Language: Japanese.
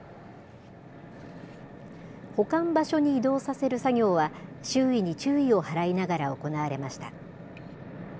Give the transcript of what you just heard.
保管場所に移動させる作業は、周囲に注意を払いながら行われました。